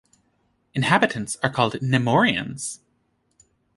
Inhabitants are called "Nemouriens".